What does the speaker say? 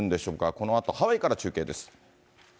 このあとハワイから中継です。